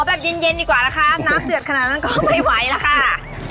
แบบเย็นเย็นดีกว่านะคะน้ำเดือดขนาดนั้นก็ไม่ไหวแล้วค่ะ